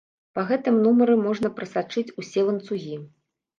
Па гэтым нумары можна прасачыць усе ланцугі.